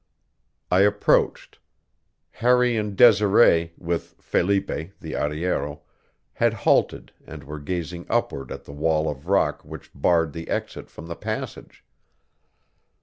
I approached. Harry and Desiree, with Felipe, the arriero, had halted and were gazing upward at the wall of rock which barred the exit from the passage.